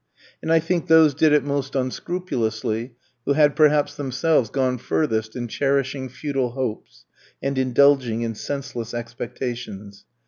And I think those did it most unscrupulously who had perhaps themselves gone furthest in cherishing futile hopes, and indulging in senseless expectations.